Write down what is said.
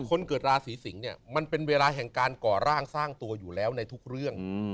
คนเกิดราศีสิงศ์เนี่ยมันเป็นเวลาแห่งการก่อร่างสร้างตัวอยู่แล้วในทุกเรื่อง